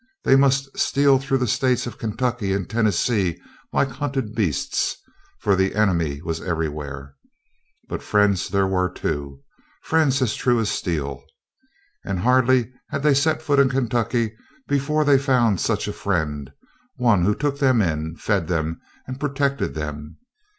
They must steal through the states of Kentucky and Tennessee like hunted beasts, for the enemy was everywhere. But friends there were, too—friends as true as steel. And hardly had they set foot in Kentucky before they found such a friend, one who took them in, fed them, and protected them.